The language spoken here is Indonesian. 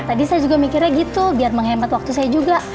tadi saya juga mikirnya gitu biar menghemat waktu saya juga